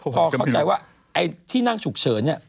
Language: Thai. พอเข้าใจว่าไอ้ที่นั่งฉุกเฉินเนี่ย